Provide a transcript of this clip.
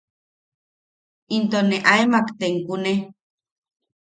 Into ne aemak tenkune.